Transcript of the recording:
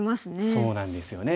そうなんですよね。